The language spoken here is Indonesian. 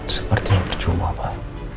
sepertinya berjumlah pak